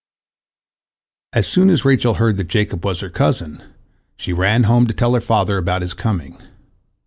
As soon as Rachel heard that Jacob was her cousin, she ran home to tell her father about his coming.